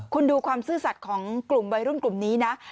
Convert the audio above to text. คุณดูความซื่อสัตว์ของกลุ่มวัยรุ่นกลุ่มนี้นะ